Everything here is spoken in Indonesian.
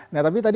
nah tapi tadi